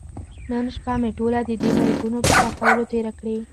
نن شپه مې ټوله د دې بیکونو په خلاصولو تېره کړې.